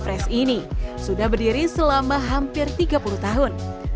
fresh ini sudah berdiri selama hampir tiga puluh tahun